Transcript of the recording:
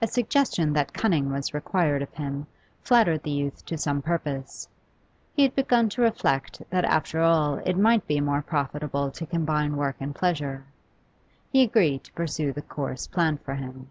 A suggestion that cunning was required of him flattered the youth to some purpose. He had begun to reflect that after all it might be more profitable to combine work and pleasure. He agreed to pursue the course planned for him.